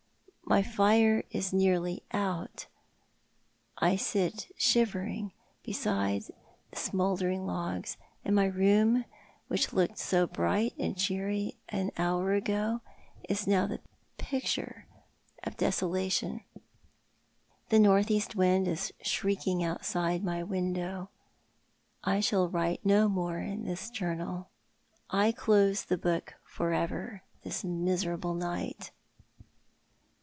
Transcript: My fire is nearly out — I sit shivering beside the smouldering logs, and my room which looked so bright and cheery an hour ago is now tlic picture of desolation. The north east wind is shrieking outside my window. I shall write no more in this journal. I close the book for ever this miserable night.